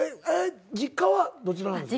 実家はどちらなんですか？